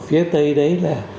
phía tây đấy là